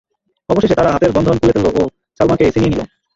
অবশেষে তারা হাতের বন্ধনা খুলে ফেলল ও সালামাকে ছিনিয়ে নিল।